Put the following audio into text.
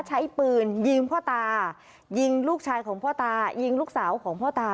ใช้ปืนยิงพ่อตายิงลูกชายของพ่อตายิงลูกสาวของพ่อตา